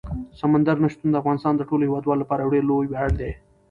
سمندر نه شتون د افغانستان د ټولو هیوادوالو لپاره یو ډېر لوی ویاړ دی.